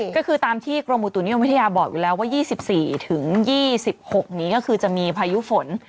ก็คือตามที่กรมอุตุนิยมวิทยาบอกอยู่แล้วว่า๒๔๒๖นี้ก็คือจะมีพายุฝน